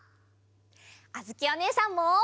あづきおねえさんも！